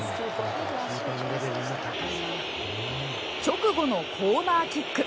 直後のコーナーキック。